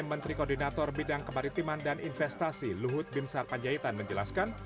menteri koordinator bidang kemaritiman dan investasi luhut bin sarpanjaitan menjelaskan